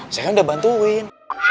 saya kan udah bantuin